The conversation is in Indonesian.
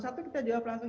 satu kita jawab langsung